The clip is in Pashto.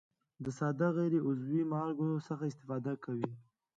د ساده غیر عضوي مالګو څخه استفاده کوي.